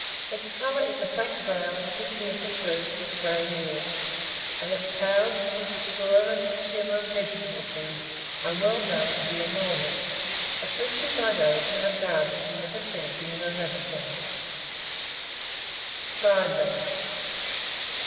Its colour is a black ground, thickly interspersed with grey hairs; and its powers as a destroyer and consumer of vegetable food are well known to be enormous, especially by those who have gardens in the vicinity of a rabbit warren. FRIED RABBIT.